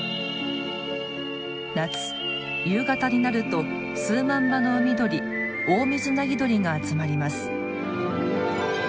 夏夕方になると数万羽の海鳥オオミズナギドリが集まります。